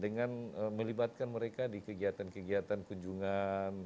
dengan melibatkan mereka di kegiatan kegiatan kunjungan